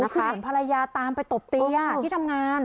คือเหมือนภรรยาตามไปตบตีที่ทำงาน